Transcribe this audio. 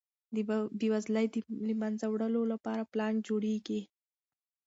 د بېوزلۍ د له منځه وړلو لپاره پلان جوړیږي.